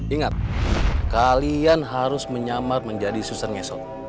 ingat kalian harus menyamar menjadi susun ngesot